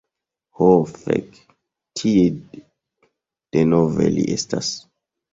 Ho fek. Tie denove li estas.